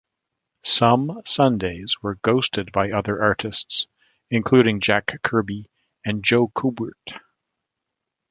Some Sundays were ghosted by other artists, including Jack Kirby and Joe Kubert.